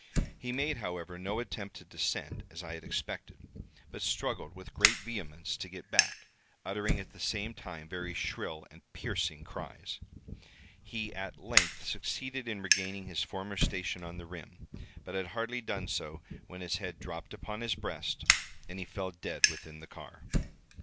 He made, however, no attempt to descend as I had expected, but struggled with great vehemence to get back, uttering at the same time very shrill and piercing cries. He at length succeeded in regaining his former station on the rim, but had hardly done so when his head dropped upon his breast, and he fell dead within the car.